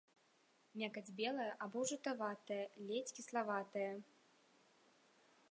Мякаць белая або жаўтаватая, ледзь кіславатая.